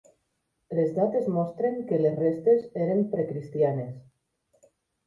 Les dates mostren que les restes eren precristianes.